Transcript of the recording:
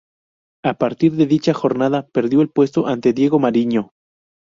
A partir de dicha jornada perdió el puesto ante Diego Mariño.